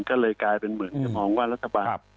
ก็เลยกลายเป็นเหมือนจะมองว่ารัฐบาล